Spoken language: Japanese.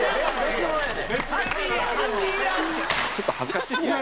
ちょっと恥ずかしいですね。